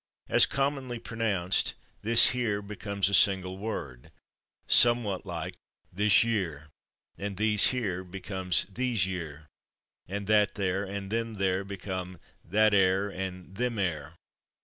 As commonly pronounced, /this here/ becomes a single word, somewhat like /thish yur/, and /these here/ becomes /these yur/, and /that there/ and /them there/ become /that ere/ and /them ere